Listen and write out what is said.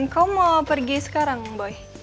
kau mau pergi sekarang bu